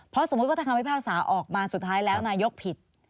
เพราะสมมุติว่าถ้าคำพิพากษาออกมาสุดท้ายแล้วนายกผิด